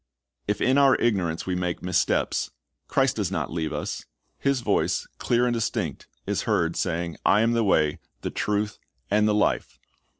If in our ignorance we make missteps, Christ does not leave us. His voice, clear and distinct, is heard saying, "I am the Way, the Truth, and the Life."